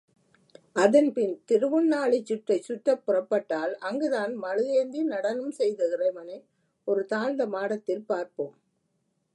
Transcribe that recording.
அதன்பின் திருவுண்ணாழிச் சுற்றைச் சுற்றப்புறப்பட்டால் அங்குதான் மழு ஏந்தி நடனம் செய்த இறைவனை ஒரு தாழ்ந்த மாடத்தில் பார்ப்போம்.